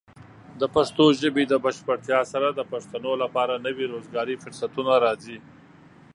د پښتو ژبې د بشپړتیا سره، د پښتنو لپاره نوي روزګاري فرصتونه راځي.